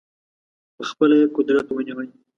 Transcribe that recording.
په خپله یې قدرت ونیوی.